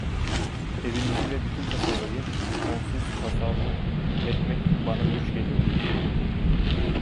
Evimizi ve bütün kasabayı, onsuz tasavvur etmek bana güç geliyordu.